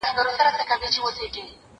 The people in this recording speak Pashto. زه به سبا مکتب ته ولاړم!!